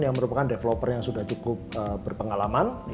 yang merupakan developer yang sudah cukup berpengalaman